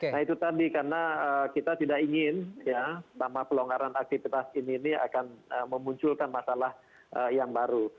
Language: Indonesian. nah itu tadi karena kita tidak ingin ya selama pelonggaran aktivitas ini akan memunculkan masalah yang baru